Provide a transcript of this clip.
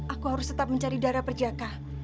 aku harus tetap mencari darah berjakah